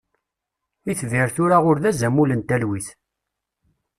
Itbir tura ur d azamul n talwit.